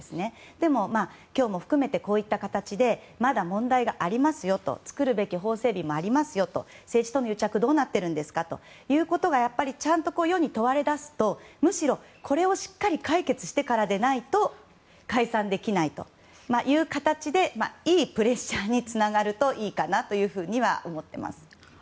でも今日も含めてこういった形でまだ問題がありますよと作るべき法整備もありますよと政治との癒着どうなっているんですかというのがちゃんと世に問われ出すとむしろ、これをしっかり解決してからでないと解散できないという形でいいプレッシャーにつながるといいかなというふうには思っています。